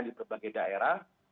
di berbagai daerah